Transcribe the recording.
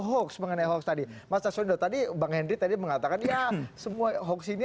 hoax mengenai hoax tadi masa sudah tadi bang hendri tadi mengatakan yang semua hoax ini